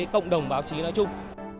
cộng đồng báo chí nói chung